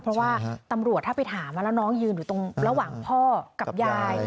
เพราะว่าตำรวจถ้าไปถามแล้วน้องยืนอยู่ตรงระหว่างพ่อกับยาย